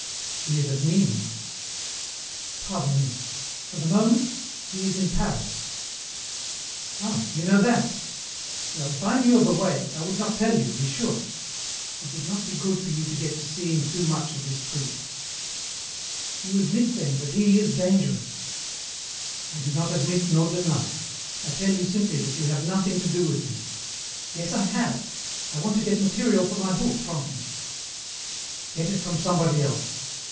"He is at Nîmes." "Pardon me. For the moment, he is in Paris." "Ah, you know that! Well, if I knew of a way, I would not tell you, be sure. It would not be good for you to get to seeing too much of this priest." "You admit, then, that he is dangerous?" "I do not admit nor deny. I tell you simply that you have nothing to do with him." "Yes I have. I want to get material for my book from him." "Get it from somebody else.